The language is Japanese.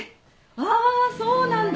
あそうなんだ。